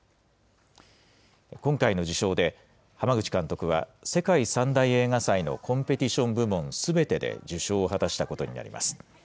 今回の受賞で、濱口監督は、世界３大映画祭のコンペティション部門すべてで受賞を果たしたことになります。